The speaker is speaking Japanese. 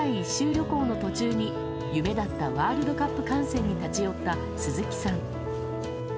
旅行の途中に夢だったワールドカップ観戦に立ち寄った、鈴木さん。